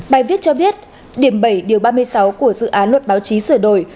bài viết cho biết điểm bảy điều ba mươi sáu của dự án luật báo chí sửa đổi